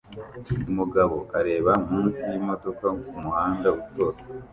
Umugabo areba munsi yimodoka kumuhanda utose